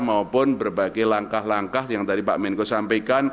maupun berbagai langkah langkah yang tadi pak menko sampaikan